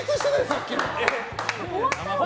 さっきの。